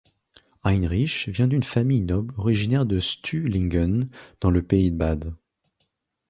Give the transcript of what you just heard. Heinrich vient d'une famille noble originaire de Stühlingen, dans le pays de Bade.